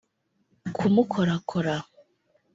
kumukorakora